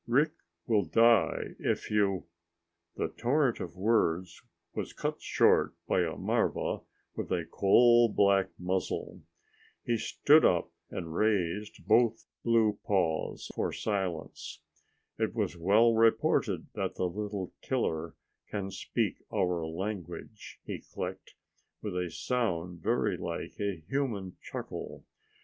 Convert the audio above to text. Rick will die if you " The torrent of words was cut short by a marva with a coal black muzzle. He stood up and raised both furry blue paws for silence. "It was well reported that the little killer can speak our language," he clicked, with a sound very like a human chuckle.